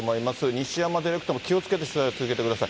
西山ディレクターも気をつけて取材を続けてください。